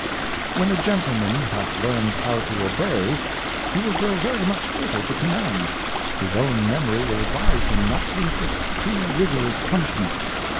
When a Gentleman hath learned how to Obey, he will grow] very much fitter to Command ; his own Memory will advise hini^ not to inflict too rigorous Punishments.